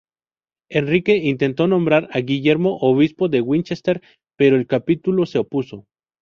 Enrique intentó nombrar a Guillermo obispo de Winchester, pero el capítulo se opuso.